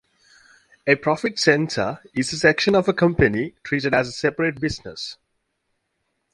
A profit center is a section of a company treated as a separate business.